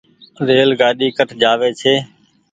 ريل گآڏي ڪٺ جآوي ڇي۔